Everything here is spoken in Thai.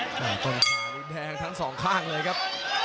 ต้นขานี่แดงทั้งสองข้างเลยครับ